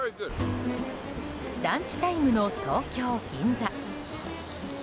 ランチタイムの東京・銀座。